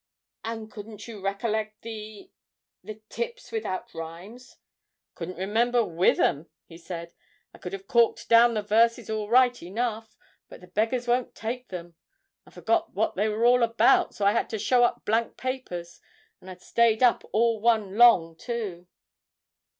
'And couldn't you recollect the the tips without rhymes?' 'Couldn't remember with 'em,' he said. 'I could have corked down the verses all right enough, but the beggars won't take them. I forgot what they were all about, so I had to show up blank papers. And I'd stayed up all one Long too!'